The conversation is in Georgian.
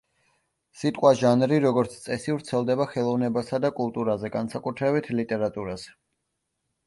სიტყვა „ჟანრი“, როგორც წესი, ვრცელდება ხელოვნებასა და კულტურაზე, განსაკუთრებით ლიტერატურაზე.